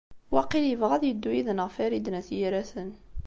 Waqil yebɣa ad yeddu yid-neɣ Farid n At Yiraten.